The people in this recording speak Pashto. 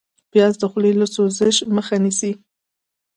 پیاز د خولې له سوزش مخه نیسي